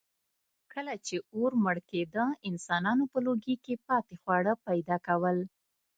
کله چې اور مړ کېده، انسانانو په لوګي کې پاتې خواړه پیدا کول.